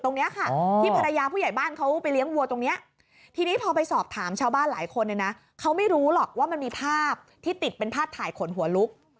ทีนี้พอไปสอบถามชาวบ้านหลายคนเนี่ยนะเขาไม่รู้หรอกว่ามันมีภาพที่ติดเป็นภาพถ่ายขนหัวลุก